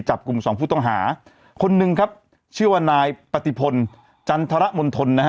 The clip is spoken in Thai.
จับกลุ่มสองผู้ต้องหาคนหนึ่งครับชื่อว่านายปฏิพลจันทรมณฑลนะฮะ